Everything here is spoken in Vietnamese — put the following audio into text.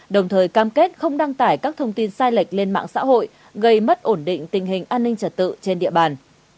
đồng thời cam kết không đăng tải các thông tin sai lệch lên mạng xã hội gây mất ổn định tình hình an ninh trật tự trên địa bàn